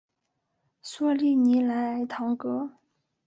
索利尼莱埃唐格。